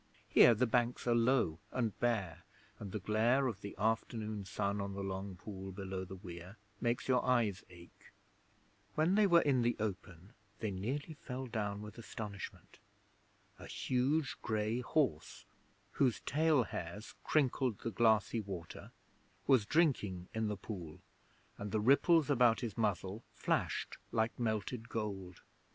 Here the banks are low and bare, and the glare of the afternoon sun on the Long Pool below the weir makes your eyes ache. When they were in the open they nearly fell down with astonishment. A huge grey horse, whose tail hairs crinkled the glassy water, was drinking in the pool, and the ripples about his muzzle flashed like melted gold.